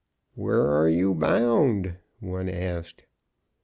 "Where are you bound?" one asked.